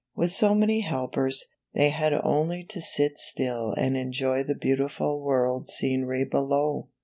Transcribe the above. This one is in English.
With so many helpers, they had only to sit still and enjoy the beautiful world scenery below.